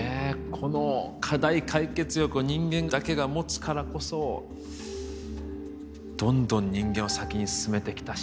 この課題解決欲は人間だけが持つからこそどんどん人間を先に進めてきたし。